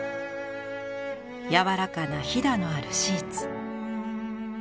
柔らかな襞のあるシーツ。